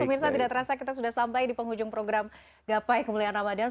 pemirsa tidak terasa kita sudah sampai di penghujung program gapai kemuliaan ramadhan